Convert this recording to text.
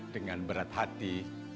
dengan berat hati